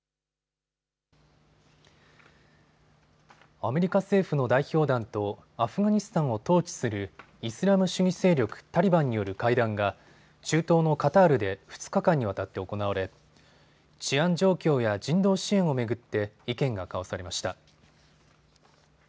アメリカ政府の代表団とアフガニスタンを統治するイスラム主義勢力タリバンによる会談が中東のカタールで２日間にわたって行われ治安状況や人道支援を巡って意見が交わされました。